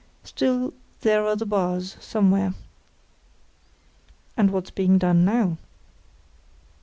Still there are the bars, somewhere." "And what's being done now?"